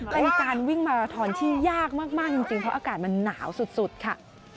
เป็นการวิ่งมาราทอนที่ยากมากจริงเพราะอากาศมันหนาวสุดค่ะ